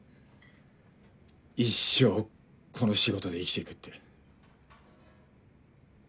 一生この仕事で生きていくって。